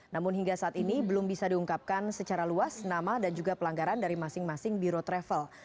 namun hingga saat ini belum bisa diungkapkan secara luas nama dan juga pelanggaran dari masing masing biro travel